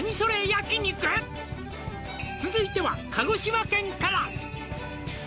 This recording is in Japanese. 焼肉」「続いては鹿児島県から」